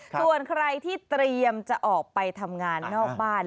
ส่วนใครที่เตรียมจะออกไปทำงานนอกบ้าน